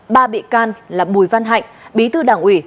ba bị can là bùi văn hạnh bí thư đảng ủy